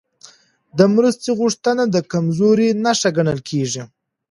د مرستې غوښتنه د کمزورۍ نښه ګڼل کېږي.